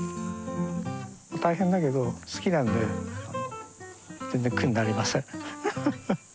大変だけど好きなんで全然苦になりません。